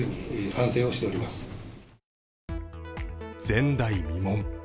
前代未聞。